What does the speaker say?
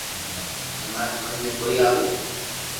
ھين ماري ھمج ۾ ڪوئي آوي